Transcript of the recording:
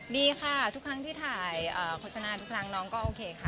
ดีค่ะทุกครั้งที่ถ่ายโฆษณาทุกครั้งน้องก็โอเคค่ะ